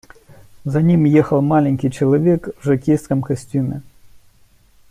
За ним ехал маленький человек в жокейском костюме.